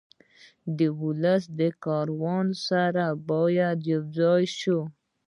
د ولس له کاروان سره باید یو ځای شو.